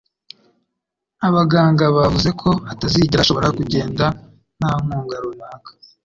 Abaganga bavuze ko atazigera ashobora kugenda nta nkunga runaka.